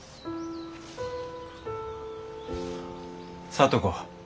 聡子。